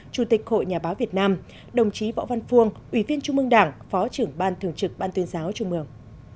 chủ tịch hội nhà báo việt nam đồng chí võ văn phuong ủy viên trung ương đảng phó trưởng ban thường trực ban tuyên giáo trung ương